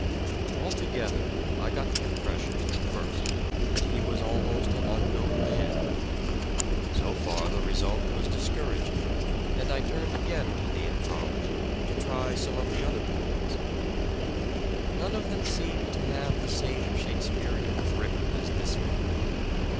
Altogether, I got the impression at first 140 " SHAKESPEARE " IDENTIFIED that he was almost an unknown man. So far the result was discouraging and I turned again to the anthology to try some of the other poems. None of them seemed to have the same Shakespearean grip as this one.